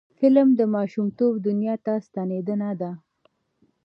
فلم د ماشومتوب دنیا ته ستنیدنه ده